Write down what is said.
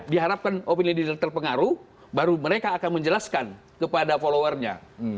diharapkan opini leader terpengaruh baru mereka akan menjelaskan kepada followernya